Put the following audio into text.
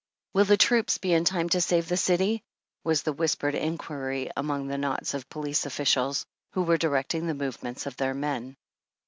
Will the troops be in time to save the city ? was the whispered inquiry among the knots of police officials who were directing the movements of their men.